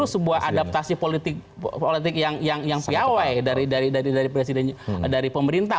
sebuah adaptasi politik yang piawai dari pemerintah